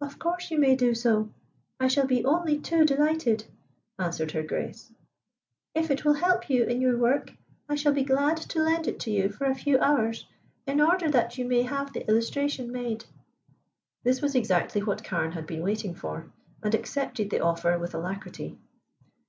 "Of course you may do so; I shall be only too delighted," answered Her Grace. "If it will help you in your work I shall be glad to lend it to you for a few hours, in order that you may have the illustration made." This was exactly what Carne had been waiting for, and accepted the offer with alacrity.